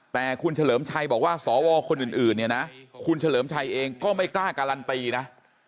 แต่คุณเฉลิมชัยบอกว่าสวคนอื่นเนี่ยนะคุณเฉลิมชัยเองก็ไม่กล้าการันตีนะ